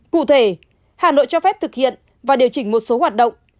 cụ thể hà nội cho phép thực hiện và điều chỉnh một số hoạt động